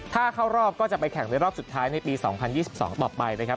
ถ้าเข้ารอบก็จะไปแข่งในรอบสุดท้ายในปี๒๐๒๒ต่อไปนะครับ